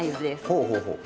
ほうほうほう。